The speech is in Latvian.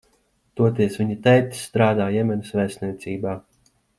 Toties viņa tētis strādā Jemenas vēstniecībā.